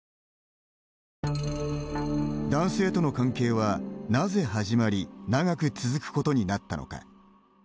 男性との関係は、なぜ始まり長く続くことになったのか。